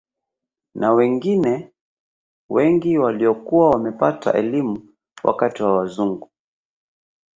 Na wengine wengi waliokuwa wamepata elimu wakati wa wazungu